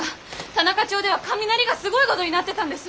田中町では雷がすごいごどになってたんです。